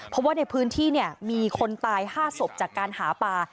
เพราะว่าในพื้นที่มีคนตาย๕ศพจากการหาปลา